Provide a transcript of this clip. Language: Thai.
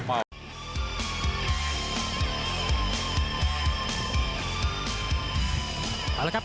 แต่สิ่งที่อยากบุญนี้